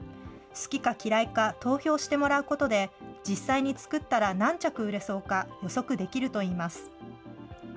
好きか嫌いか投票してもらうことで、実際に作ったら何着売れそうか予測できるといいます。